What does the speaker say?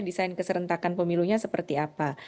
desain keserentakan pemilunya seperti apa